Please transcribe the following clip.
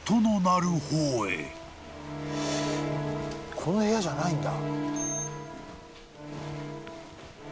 この部屋じゃないんだ。